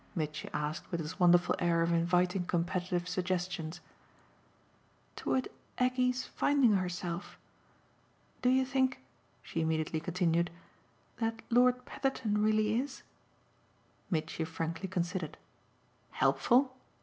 Mitchy asked with his wonderful air of inviting competitive suggestions. "Toward Aggie's finding herself. Do you think," she immediately continued, "that Lord Petherton really is?" Mitchy frankly considered. "Helpful?